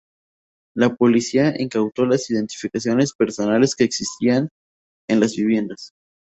La policía incautó las identificaciones personales que existían en las viviendas.